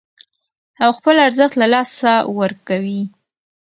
او خپل ارزښت له لاسه ورکوي